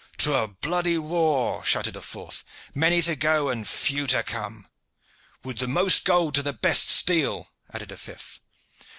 "To a bloody war!" shouted a fourth. "Many to go and few to come!" "With the most gold to the best steel!" added a fifth.